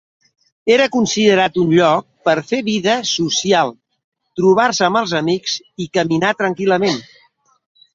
Era considerat un lloc per fer vida social, trobar-se amb els amics i caminar tranquil·lament.